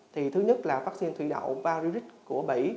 thì thứ nhất là vaccine thủy đậu paris của mỹ